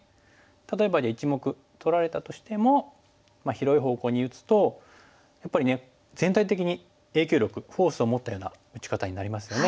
例えば１目取られたとしても広い方向に打つとやっぱりね全体的に影響力フォースを持ったような打ち方になりますよね。